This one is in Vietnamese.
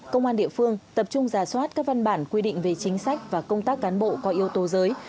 công an địa phương tập trung giả soát các văn bản quy định về chính sách và công tác cán bộ có yếu tố giới